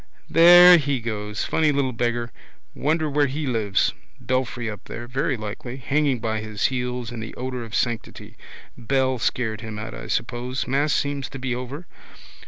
There he goes. Funny little beggar. Wonder where he lives. Belfry up there. Very likely. Hanging by his heels in the odour of sanctity. Bell scared him out, I suppose. Mass seems to be over.